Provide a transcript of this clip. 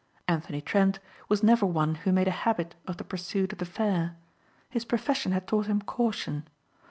Anthony Trent was never one who made a habit of the pursuit of the fair. His profession had taught him caution.